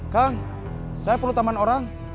kang saya perlu taman orang